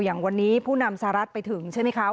อย่างวันนี้ผู้นำสหรัฐไปถึงใช่ไหมคะ